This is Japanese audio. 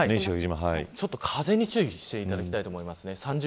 風に注意していただきたいと思います。